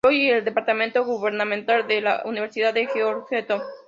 Louis; y en el departamento gubernamental de la Universidad de Georgetown.